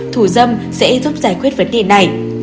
thủ dâm sẽ giúp giải quyết vấn đề này